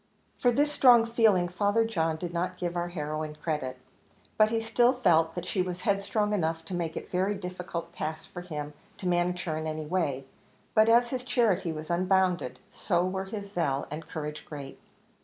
For this strong feeling Father John did not give our heroine credit; but he still felt that she was headstrong enough to make it a very difficult task for him to manage her in any way. But as his charity was unbounded, so were his zeal and courage great.